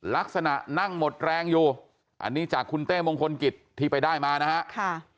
ลักษณะนั่งหมดแรงอยู่อันนี้จากคุณเต้มงคลกิจที่ไปได้มานะฮะ